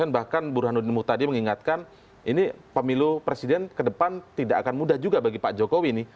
bahkan burhanuddin mutadi mengingatkan ini pemilu presiden ke depan tidak akan mudah juga bagi pak jokowi ini